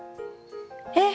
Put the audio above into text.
えっ！